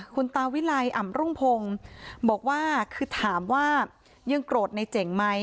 คุณตาวิไลอ่ำรุ่งพงศ์บอกว่าคือถามว่ายังโกรธในเจ๋งไหม